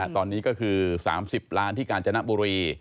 ตอนนี้ก็คือ๓๐ล้านที่กาญจนบุรี